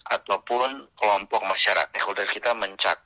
ataupun kelompok masyarakat stakeholders kita mencakupkan